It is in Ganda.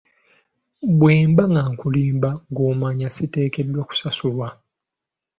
Bwe mba nkulimba ng'omanya siteekeddwa kusasulwa.